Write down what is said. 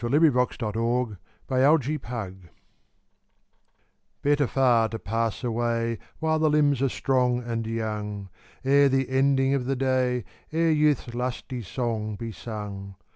XV Better Far to Pass Away BETTER far to pass away While the limbs are strong and young, Ere the ending of the day, Ere youth's lusty song be sung.